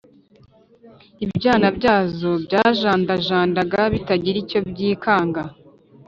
ibyana byazo byajandajandaga bitagira icyo byikanga